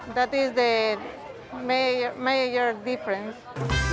itu adalah perbedaan utama